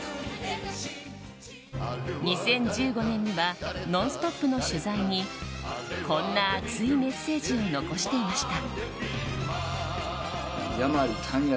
２０１５年には「ノンストップ！」の取材にこんな熱いメッセージを残していました。